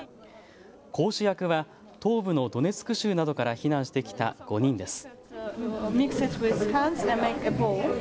講師役は東部のドネツク州などから避難してきた５人です。